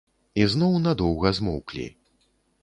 І зноў надоўга змоўклі.